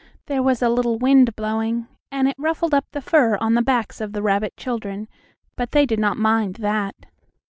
There was a little wind blowing, and it ruffled up the fur on the backs of the rabbit children, but they did not mind that.